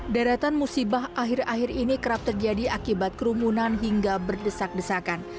daratan musibah akhir akhir ini kerap terjadi akibat kerumunan hingga berdesak desakan